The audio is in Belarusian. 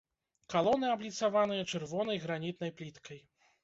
Калоны абліцаваныя чырвонай гранітнай пліткай.